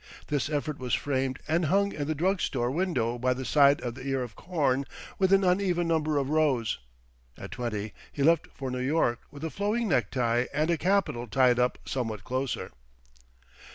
This effort was framed and hung in the drug store window by the side of the ear of corn with an uneven number of rows. At twenty he left for New York with a flowing necktie and a capital tied up somewhat closer.